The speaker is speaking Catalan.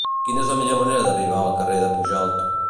Quina és la millor manera d'arribar al carrer de Pujalt?